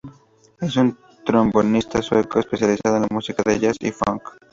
Es un trombonista sueco especializado en la música de jazz y el funk.